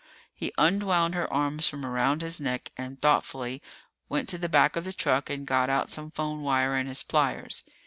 He unwound her arms from around his neck and thoughtfully went to the back of the truck and got out some phone wire and his pliers.